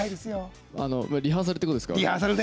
リハーサルってことですか？